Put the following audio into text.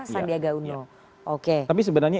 sandiaga uno oke tapi sebenarnya